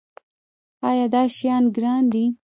ایا دا شیان ګران دي؟